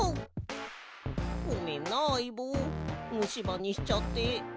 ごめんなあいぼうむしばにしちゃって。